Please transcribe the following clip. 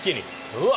うわ！